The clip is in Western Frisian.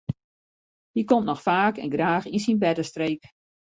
Hy komt noch faak en graach yn syn bertestreek.